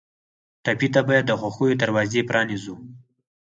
ټپي ته باید د خوښیو دروازې پرانیزو.